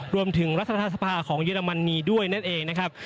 รวมถึงรัฐศาสตราของยุรมณีด้วยนั่นเองนะครับ